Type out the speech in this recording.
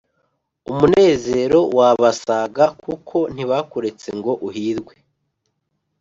Umunezero wabasaga Kuko ntibakuretse ngo uhirwe